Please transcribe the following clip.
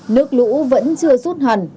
nước lũ vẫn chưa rút hẳn